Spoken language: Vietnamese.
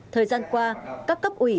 thời gian qua các cấp ủy